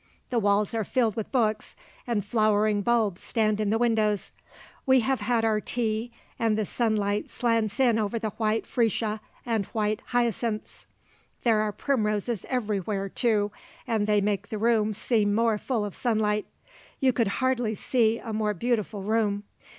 The walls are filled with books and flowering bulbs stand in the windows. We have had our tea and the sunlight slants in over the white freesia and white hyacinths. There are primroses everywhere, too, and they make the room seem more full of sunlight. You could hardly see a more beautiful room.